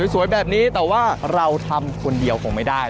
สวยแบบนี้แต่ว่าเราทำคนเดียวคงไม่ได้